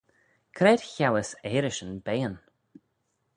C'raad cheauys earishyn beayn?